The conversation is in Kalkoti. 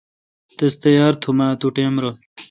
تس تیار تھم اؘ اتو ٹائم رل۔